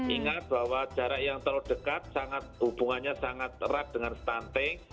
ingat bahwa jarak yang terlalu dekat hubungannya sangat erat dengan stunting